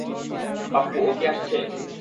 পাপ্পু, ও কি আসছে?